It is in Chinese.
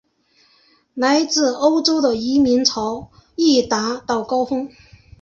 来自欧洲的移民潮亦达到高峰。